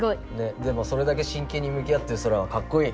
でもそれだけしんけんにむき合ってるソラはかっこいい。